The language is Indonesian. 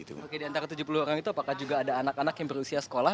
oke di antara tujuh puluh orang itu apakah juga ada anak anak yang berusia sekolah